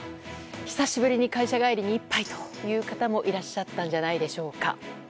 久しぶりに会社帰りに一杯という方もいらっしゃったんじゃないでしょうか。